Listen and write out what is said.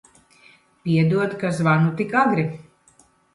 Piedod, ka zvanu tik agri.